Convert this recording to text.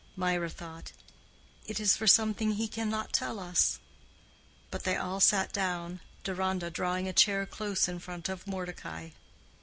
Mirah thought, "It is for something he cannot tell us." But they all sat down, Deronda drawing a chair close in front of Mordecai.